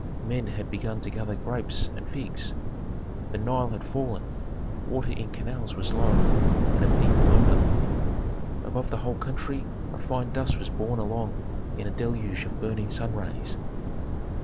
Men had begun to gather grapes and figs. The Nile had fallen, water in canals was low and of evil odor. Above the whole country a fine dust was borne along in a deluge of burning sun rays.